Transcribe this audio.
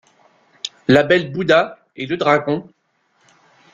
La belle bouda, et le dragon...